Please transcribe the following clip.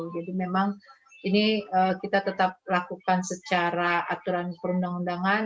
jadi memang ini kita tetap lakukan secara aturan perundang undangan